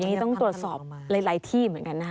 อันนี้ต้องตรวจสอบหลายที่เหมือนกันนะคะ